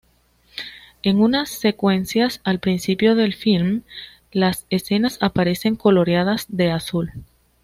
En unas secuencias al principio del film, las escenas aparecen coloreadas de azul.